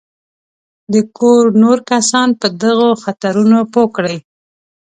د کور نور کسان په دغو خطرونو پوه کړي.